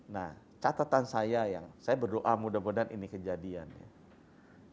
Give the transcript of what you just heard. nah catatan saya yang saya berdoa mudah mudahan ini kejadian ya